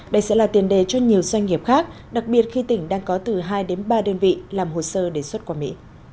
đây sẽ là tiền đề cho nhiều doanh nghiệp khác đặc biệt khi tỉnh đang có từ hai đến ba đơn vị làm hồ sơ để xuất qua mỹ